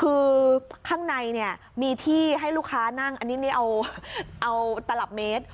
คือข้างในเนี่ยมีที่ให้ลูกค้านั่งอันนี้เอาตลับเมตร